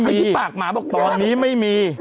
ไม่ใช่ตอนนี้ไม่มี